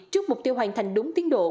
trước mục tiêu hoàn thành đúng tiến độ